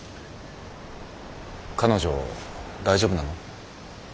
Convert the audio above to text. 彼女大丈夫なの？